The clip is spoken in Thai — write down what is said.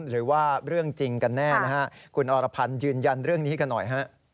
หรือว่าเรื่องจริงกันแน่นะฮะคุณอรพันธ์ยืนยันเรื่องนี้กันหน่อยฮะ